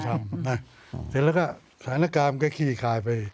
คุณก็ไม่ทำนะเสร็จแล้วก็ฐานกรรมก็ขี้ขายไป